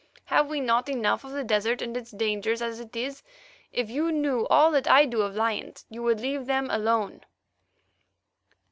Have we not enough of the desert and its dangers as it is? If you knew all that I do of lions you would leave them alone."